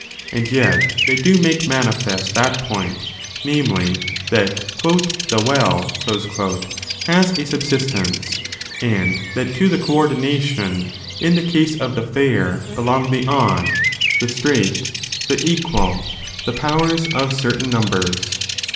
And yet they do make manifest that point, namely, that " the well " has a subsistence, and that to the co ordination in the case of the fair belong the odd, the straight, the equal, the powers of certain numbers.